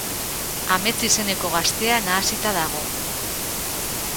Amets izeneko gaztea nahasita dago.